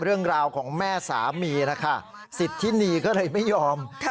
เรื่องราวของแม่สามีนะคะสิทธินีก็เลยไม่ยอม